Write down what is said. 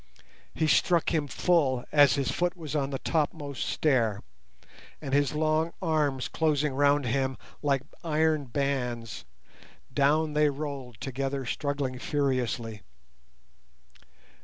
He struck him full as his foot was on the topmost stair, and his long arms closing round him like iron bands, down they rolled together struggling furiously.